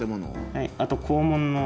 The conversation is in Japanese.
はいあと校門の。